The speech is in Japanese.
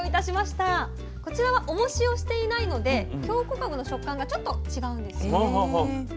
こちらはおもしをしていないので京こかぶの食感がちょっと違うんです。